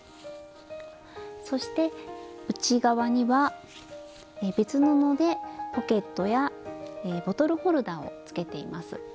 そして内側には別布でポケットやボトルホルダーをつけています。